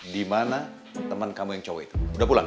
di mana temen kamu yang cowok itu udah pulang